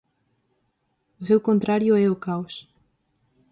O seu contrario é o Caos.